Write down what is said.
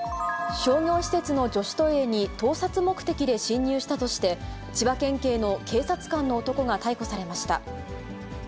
商業施設の女子トイレに盗撮目的で侵入したとして、千葉県警の警察官の男が逮捕されました。